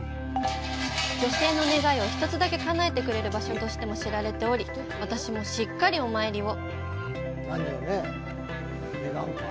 女性の願いを１つだけかなえてくれる場所としても知られており、私もしっかりお参りを。